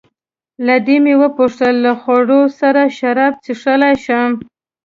له دې مې وپوښتل: له خوړو سره شراب څښلای شم؟